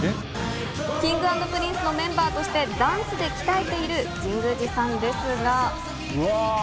Ｋｉｎｇ＆Ｐｒｉｎｃｅのメンバーとして、ダンスで鍛えている神宮司さんですが。